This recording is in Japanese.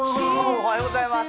おはようございます。